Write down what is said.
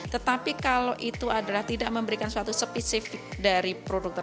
tetapi kalau itu adalah tidak memberikan suatu spesifik dari produk tersebut